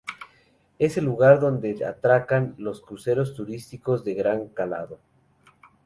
Es el lugar donde atracan los cruceros turísticos de gran calado.